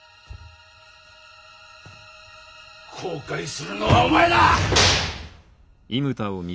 後悔するのはお前だ！